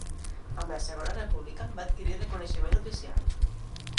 Amb la Segona República va adquirir reconeixement oficial.